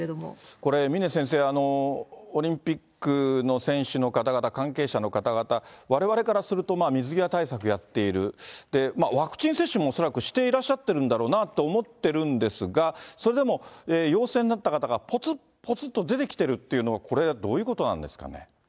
これ、峰先生、オリンピックの選手の方々、関係者の方々、われわれからすると水際対策やっている、ワクチン接種も恐らく、していらっしゃってるんだろうなと思っているんですが、それでも陽性になった方がぽつ、ぽつっと出てきてるっていうのは、これはどういうことなんですかね。